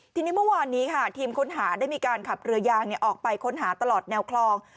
ทีนี้เมื่อวานนี้ค่ะทีมค้นหาได้มีการขับเรือยางออกไปค้นหาตลอดแนวคลอง